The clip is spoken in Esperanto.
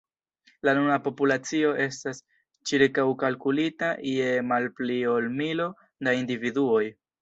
La nuna populacio estas ĉirkaŭkalkulita je malpli ol milo da individuoj.